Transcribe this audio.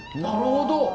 なるほど。